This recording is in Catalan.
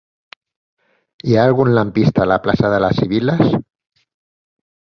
Hi ha algun lampista a la plaça de les Sibil·les?